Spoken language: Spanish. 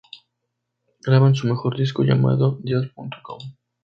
Graban su mejor disco, llamado dios.com.